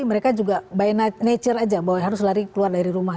mereka juga by nature aja bahwa harus lari keluar dari rumah